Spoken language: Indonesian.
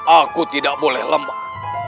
aku tidak boleh lemah